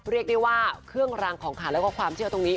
เรียกได้ว่าเครื่องรางของขันแล้วก็ความเชื่อตรงนี้